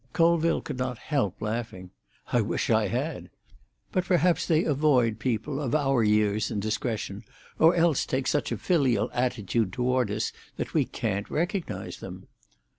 Colville could not help laughing. "I wish I had. But perhaps they avoid people of our years and discretion, or else take such a filial attitude toward us that we can't recognise them."